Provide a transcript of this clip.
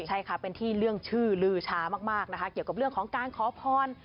ใช่ค่ะเป็นที่เรื่องชื่อลือช้ามากนะคะเกี่ยวกับเรื่องของการขอพร